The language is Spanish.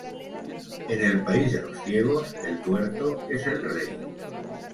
En el país de los ciegos, el tuerto es el rey